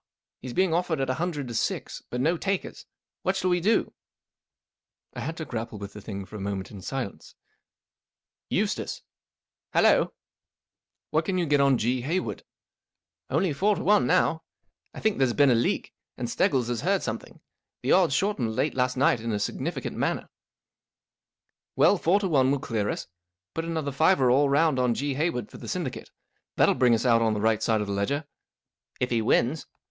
He is being offered at a hun¬ dred t O six* but no takers. What shall we do ? I had to grapple with the thing for a moment in silence* ,r Eustace*" II Hallo ?"" What can you get on G. Hayward ?"" Only four to one now, I think there's been a leak, and Steggles has heard some¬ thing. Tiie odds shortened late last night in a significant manner/' " Well, four to one will clear us. Put another fiver all round on G. Hayward for the syndicate. That 11 bring us out on the right side of the ledger." " If he wins."